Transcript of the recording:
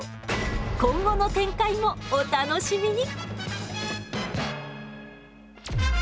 今後の展開もお楽しみに！